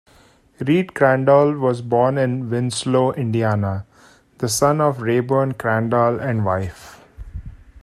Reed Crandall was born in Winslow, Indiana, the son of Rayburn Crandall and wife.